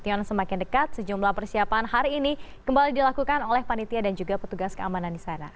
dengan semakin dekat sejumlah persiapan hari ini kembali dilakukan oleh panitia dan juga petugas keamanan di sana